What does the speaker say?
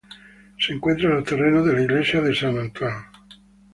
Se encuentra en los terrenos de la iglesia de "Saint Antoine".